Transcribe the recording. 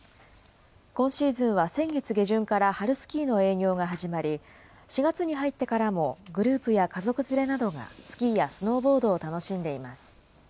今シーズンは先月下旬から春スキーの営業が始まり、４月に入ってからも、グループや家族連れなどがスキーやスノーボードを楽しんでいます。